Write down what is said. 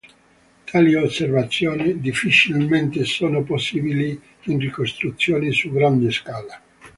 Tali osservazioni difficilmente sono possibili in ricostruzioni su grande scala.